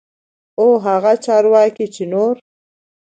او هغه چارواکي چې نور